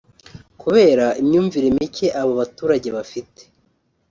Kubera imyumvire mike abo baturage bafite